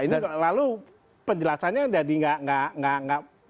ini lalu penjelasannya jadi nggak